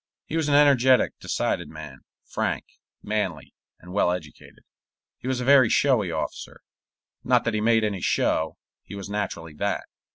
He was an energetic, decided man, frank, manly, and well educated. He was a very showy officer not that he made any show; he was naturally that.